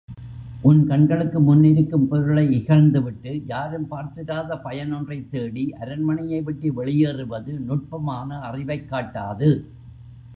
உன் கண்களுக்குமுன் இருக்கும் பொருளை இகழ்ந்துவிட்டு யாரும் பார்த்திராத பயன் ஒன்றைத்தேடி அரண்மனையை விட்டு வெளியேறுவது நுட்பமான அறிவைக்காட்டாது.